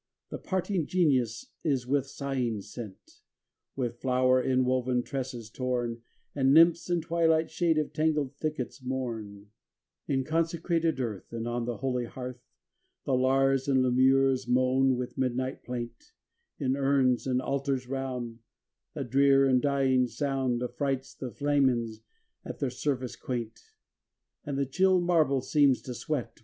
The parting Genius is with sighing sent; With flower inwoven tresses torn The Nymphs in twilight shade of tangled thickets mourn. 592 ON THE MORNING OF CHRIST'S NATIVITY XXI In consecrated earth, And on the holy hearth, The Lars and Lemures moan with midnight plaint; In urns, and altars round, A drear and dying sound Affrights the Flamens at their service quaint; And the chill marble seems to sweat.